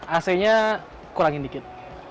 ac nya kurangin dikit